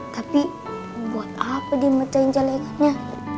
tapi buat apa dia mecahin jelekannya